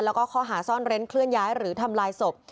แล้วก็ข้อหาซ่อนเร้นเคลื่อนย้ายหรือทำลายศพ